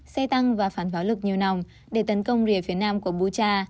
xe tăng và phán pháo lực nhiều nòng để tấn công rìa phía nam của bucha